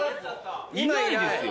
いないですよ。